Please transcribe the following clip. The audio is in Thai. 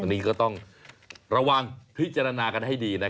อันนี้ก็ต้องระวังพิจารณากันให้ดี